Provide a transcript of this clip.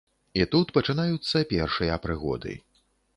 І тут пачынаюцца першыя прыгоды.